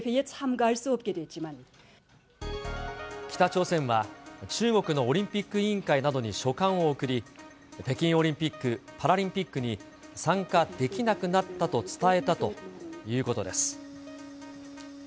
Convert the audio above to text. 北朝鮮は、中国のオリンピック委員会などに書簡を送り、北京オリンピック・パラリンピックに参加できなくなったと伝えたということです。